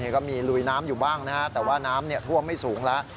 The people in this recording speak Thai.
ก็มีลุยน้ำอยู่บ้างนะฮะแต่ว่าน้ำท่วมไม่สูงแล้ว